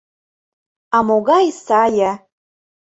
— А могай сае!